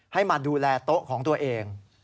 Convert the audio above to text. ให้มาดูแลโต๊ะของตัวเอง